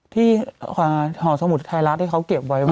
ที่หอสมุทรไทยรัฐที่เค้าเก็บไว้มา